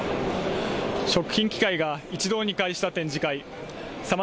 食品機械が一堂に会した展示会。